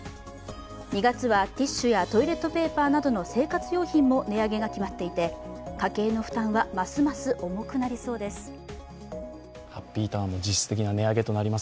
２月はティッシュやトイレットペーパーなどの生活用品も値上げが決まっていて家計の負担はますます重くなりそうです。